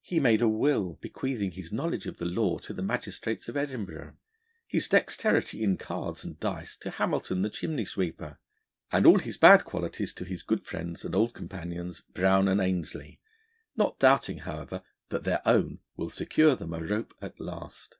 He made a will bequeathing his knowledge of law to the magistrates of Edinburgh, his dexterity in cards and dice to Hamilton the chimney sweeper, and all his bad qualities to his good friends and old companions, Brown and Ainslie, not doubting, however, that their own will secure them 'a rope at last.'